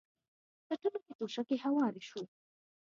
کټونو کې توشکې هوارې شوې.